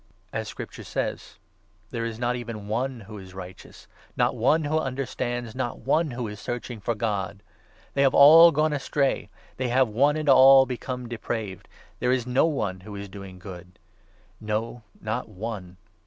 355 As Scripture says — 10 ' There is not even one who is righteous, Not one who understands, not one who is searching for God ! 1 1 They have all gone astray ; they have one and all become 12 depraved ; There is no one who is doing good — no, not one !